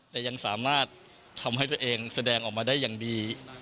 แต่ยังสามารถทำให้ตัวเองแสดงออกมาได้อย่างดี